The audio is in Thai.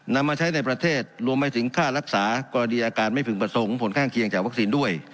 นำมาใช้ในประเทศรวมไปถึงค่ารักษากรณีอาการไม่พึงประสงค์ผลข้างเคียงจากวัคซีนด้วย